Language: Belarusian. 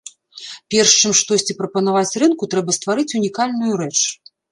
Перш, чым штосьці прапанаваць рынку, трэба стварыць унікальную рэч.